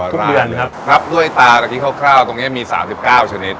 ทุกเดือนครับรับด้วยตาตะกี้คร่าวคร่าวตรงเนี้ยมีสามสิบเก้าชนิด